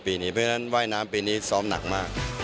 เพราะฉะนั้นว่ายน้ำปีนี้ซ้อมหนักมาก